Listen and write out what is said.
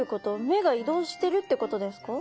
目が移動してるってことですか？